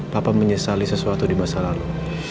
papa menyesali sesuatu di masa lalu